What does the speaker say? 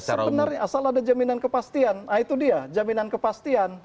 sebenarnya asal ada jaminan kepastian nah itu dia jaminan kepastian